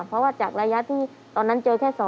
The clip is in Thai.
เพราะว่าจากระยะที่ตอนนั้นเจอแค่๒